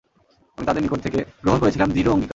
আমি তাদের নিকট থেকে গ্রহণ করেছিলাম দৃঢ় অঙ্গীকার।